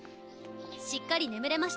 しっかり眠れましたか？